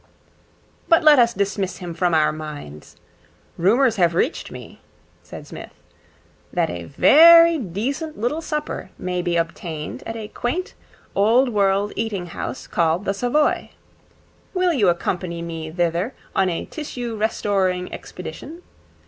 But let us dismiss him from our minds. Rumours have reached me,' said Psmith, 'that a very decent little supper may be obtained at a quaint, old world eating house called the Savoy. Will you accompany me thither on a tissue restoring expedition?